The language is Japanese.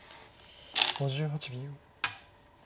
５８秒。